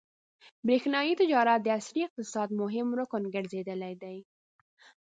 برېښنايي تجارت د عصري اقتصاد مهم رکن ګرځېدلی دی.